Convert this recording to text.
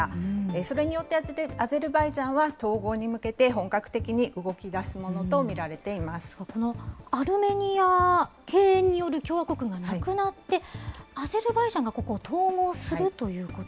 それによってアゼルバイジャンは、統合に向けて本格的に動き出すもこのアルメニア系による共和国がなくなって、アゼルバイジャンがここを統合するということ？